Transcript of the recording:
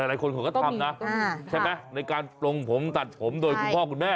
หลายคนเขาก็ทำนะใช่ไหมในการปลงผมตัดผมโดยคุณพ่อคุณแม่